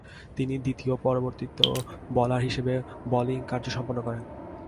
তিনি দ্বিতীয় পরিবর্তিত বোলার হিসেবে বোলিং কার্য সম্পন্ন করেন।